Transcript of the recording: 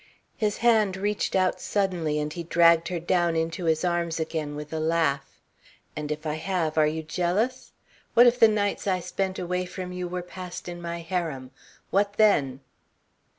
His hand reached out suddenly and he dragged her down into his arms again with a laugh. "And if I have, are you jealous? What if the nights I spent away from you were passed in my harem what then?"